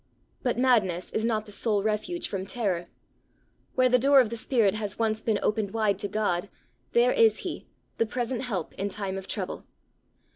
But madness is not the sole refuge from terror! Where the door of the spirit has once been opened wide to God, there is he, the present help in time of trouble!